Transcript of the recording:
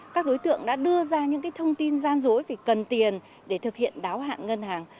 các đối tượng đã đưa ra những thông tin gian dối về cần tiền để thực hiện đáo hạn ngân hàng